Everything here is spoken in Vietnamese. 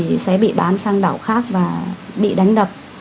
thì sẽ bị bán sang đảo khác và bị đánh đập